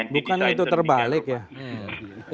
bukan itu terbalik ya